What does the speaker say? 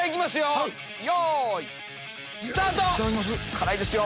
辛いですよ